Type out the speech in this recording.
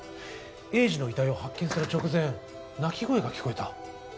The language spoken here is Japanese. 栄治の遺体を発見する直前鳴き声が聞こえた。